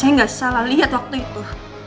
saya nggak salah lihat waktu itu